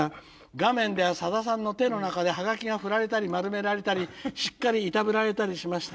「画面ではさださんの手の中でハガキが振られたり丸められたりしっかりいたぶられたりしました。